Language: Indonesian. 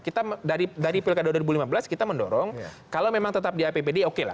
kita dari pilkada dua ribu lima belas kita mendorong kalau memang tetap di apbd oke lah